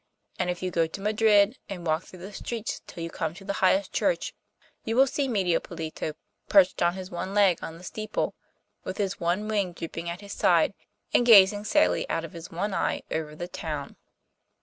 And if you go to Madrid, and walk through the streets till you come to the highest church, you will see Medio Pollito perched on his one leg on the steeple, with his one wing drooping at his side, and gazing sadly out of his one eye over the town.